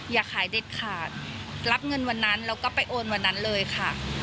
อย่าขายเด็ดขาดรับเงินวันนั้นแล้วก็ไปโอนวันนั้นเลยค่ะ